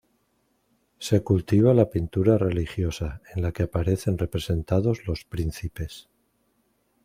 Se cultiva la pintura religiosa, en la que aparecen representados los príncipes.